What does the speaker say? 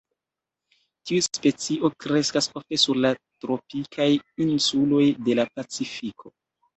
Tiu specio kreskas ofte sur la tropikaj insuloj de la Pacifiko.